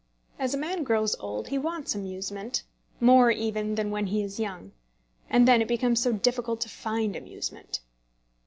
As a man grows old he wants amusement, more even than when he is young; and then it becomes so difficult to find amusement.